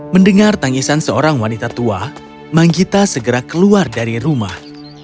mendengar tangisan seorang wanita tua manggita segera keluar dari rumah